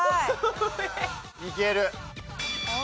いける。